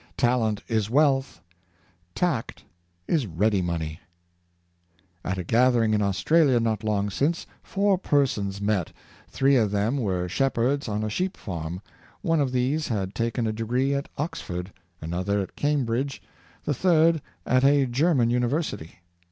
Talent is wealth; tact is ready money." "At a gath ering in Australia not long since, four persons met, three of them were shepherds on a sheep farm; one of these had taken a degree at Oxford, another at Cam bridge, the third at a German University.